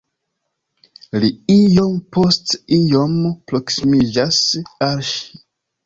Li iom post iom proksimiĝas al ŝi.